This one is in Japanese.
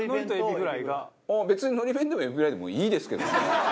別にのり弁でもエビフライでもいいですけどね。